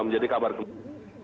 menjadi kabar kembali